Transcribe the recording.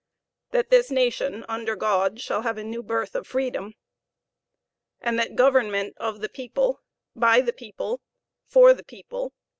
.. that this nation, under God, shall have a new birth of freedom. .. and that government of the people. . .by the people. . .for the people.